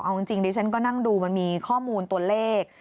เอาจริงดิฉันก็นั่งดูมันมีข้อมูลตัวเลข